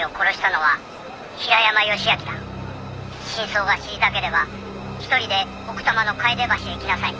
「真相が知りたければ１人で奥多摩の楓橋へ来なさい」